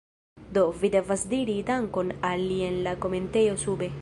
Do, vi devas diri dankon al li en la komentejo sube